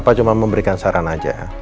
pak cuma memberikan saran aja